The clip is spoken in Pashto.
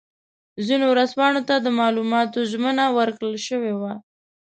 ځینو ورځپاڼو ته د معلوماتو ژمنه ورکړل شوې وه.